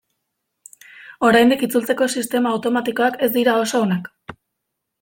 Oraindik itzultzeko sistema automatikoak ez dira oso onak.